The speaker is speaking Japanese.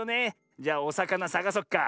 じゃおさかなさがそっか。